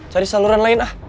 cari saluran lain ah